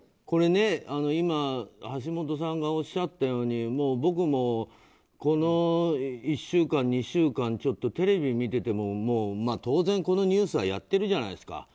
これ今、橋下さんがおっしゃったように僕もこの１週間、２週間テレビを見てても当然、このニュースはやってるじゃないですか。